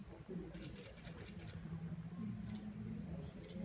ขอบคุณครับ